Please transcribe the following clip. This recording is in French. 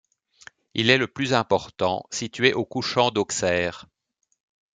Il est le plus important situé au couchant d'Auxerre.